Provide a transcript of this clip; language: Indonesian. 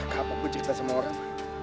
kenapa gue cerita sama orang